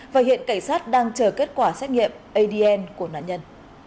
và hiện cảnh sát đang chờ kết quả xét nghiệm adn của nạn nhân